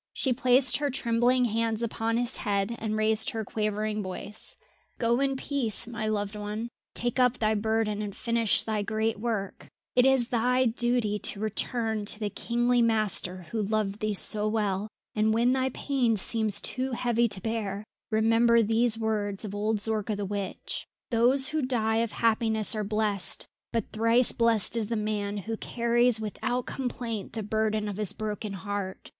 She placed her trembling hands upon his head and raised her quavering voice: "Go in peace, my loved one, take up thy burden and finish thy great work; it is thy duty to return to the kingly master who loved thee so well, and when thy pain seems too heavy to bear, remember these words of old Zorka the witch. "Those who die of happiness are blessed, but thrice blessed is the man who carries without complaint the burden of his broken heart.